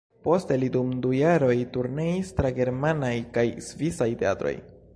Poste li dum du jaroj turneis tra germanaj kaj svisaj teatroj.